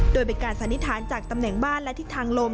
โดยเป็นการสันนิษฐานจากตำแหน่งบ้านและทิศทางลม